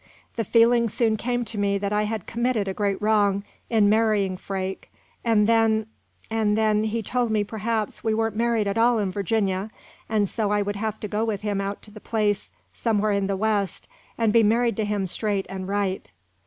The feeling soon came to me that I had committed a great wrong in marrying Freke; and then and then he told me perhaps we weren't married at all in Virginia, and so I would have to go with him out to the place somewhere in the West and be married to him straight and right."